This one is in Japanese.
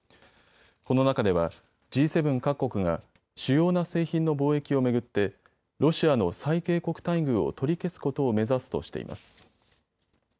この中ではＧ７各国が主要な製品の貿易を巡ってロシアの最恵国待遇を取り消すことを目指すとしています。